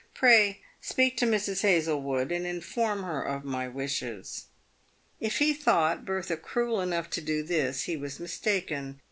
Pray speak to Mrs. Hazlewood, and inform her of my wishes." If he thought Bertha cruel enough to do this he was mistaken.